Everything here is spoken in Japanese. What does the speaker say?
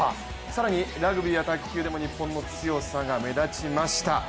更にラグビーや卓球でも日本の強さが目立ちました。